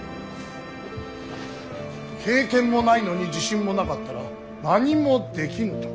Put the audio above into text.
経験もないのに自信もなかったら何もできぬと。